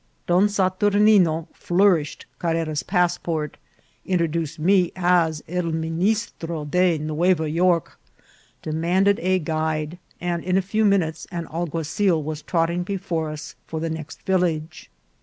Don Saturnino flourished Carrera's passport, in troduced me as El Ministro de Nueva York, demanded a guide, and in a few minutes an alguazil was trotting before us for the next village.